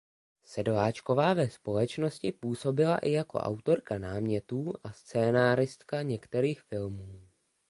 Sedláčková ve společnosti působila i jako autorka námětů a scenáristka některých filmů.